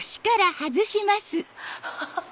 ハハハ！